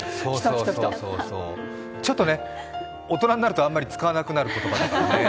ちょっとね、大人になるとあんまり使わなくなる言葉。